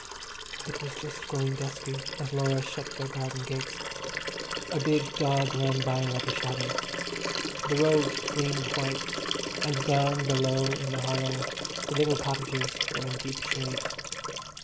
It was just growing dusky as Laura shut their garden gates. A big dog ran by like a shadow. The road gleamed white, and down below in the hollow the little cottages were in deep shade.